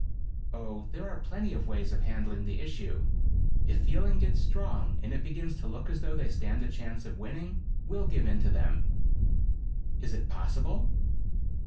"Oh, there are plenty of ways of handling the issue. If feeling gets strong and it begins to look as though they stand a chance of winning, we'll give in to them." "Is it possible?"